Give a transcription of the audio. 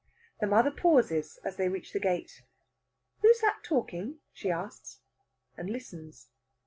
The mother pauses as they reach the gate. "Who's that talking?" she asks, and listens.